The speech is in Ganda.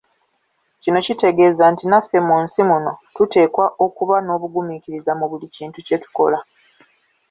Kino kitegeeza nti naffe mu nsi muno tuteekwa okuba n'obugumiikiriza mu buli kintu kye tukola.